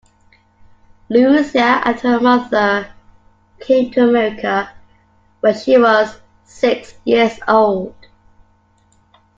Louisa and her mother came to America when she was six years old.